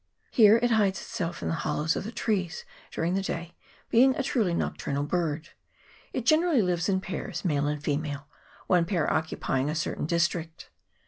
Here it hides itself in the hollows of the trees during the day, being a truly nocturnal bird. It generally lives in pairs, male and female, one pair occupying a certain district.